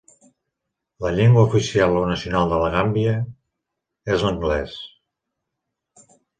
La llengua oficial o nacional de La Gàmbia és l'anglès.